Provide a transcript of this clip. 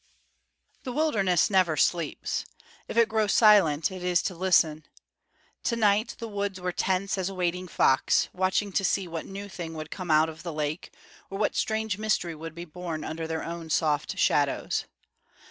The wilderness never sleeps. If it grow silent, it is to listen. To night the woods were tense as a waiting fox, watching to see what new thing would come out of the lake, or what strange mystery would be born under their own soft shadows.